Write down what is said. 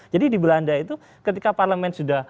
jadi di belanda itu ketika parlement sudah